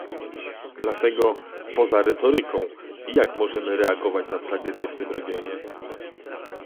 Dlatego, poza retoryką, jak możemy reagować na tragedię w tym regionie?